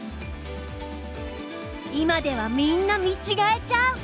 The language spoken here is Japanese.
今ではみんな見違えちゃう！